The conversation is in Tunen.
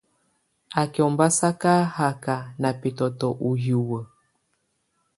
Á kɛ̀ ɔmbasaka haka nà bɛtɔ̀tɔ̀ ù hiwǝ́.